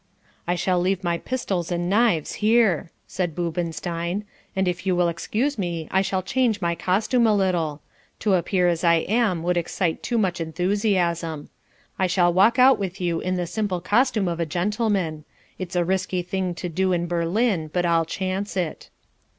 "I shall leave my pistols and knives here," said Boobenstein, "and if you will excuse me I shall change my costume a little. To appear as I am would excite too much enthusiasm. I shall walk out with you in the simple costume of a gentleman. It's a risky thing to do in Berlin, but I'll chance it."